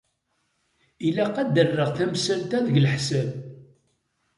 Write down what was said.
Ilaq ad rreɣ tamsalt-a deg leḥsab.